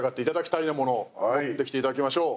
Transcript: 持ってきていただきましょう。